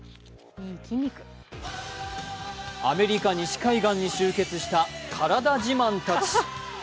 アメリカ西海岸に集結した体自慢たち。